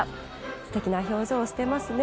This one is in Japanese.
素敵な表情をしていますね。